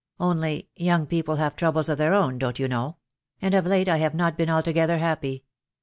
Only — young people have troubles of their own, don't you know? — and of late I have not been altogether happy.